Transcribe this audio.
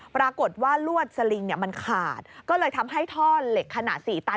ปรากฏว่าลวดสลิงมันขาดก็เลยทำให้ท่อเหล็กขนาด๔ตัน